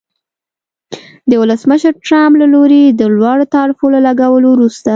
د ولسمشر ټرمپ له لوري د لوړو تعرفو له لګولو وروسته